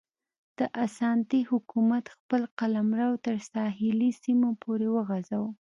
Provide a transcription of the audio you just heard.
د اسانتي حکومت خپل قلمرو تر ساحلي سیمو پورې وغځاوه.